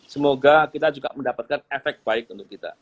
semoga kita juga mendapatkan efek baik untuk kita